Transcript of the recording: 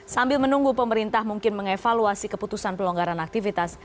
sambil menunggu pemerintah mungkin mengevaluasi keputusan pelonggaran aktivitas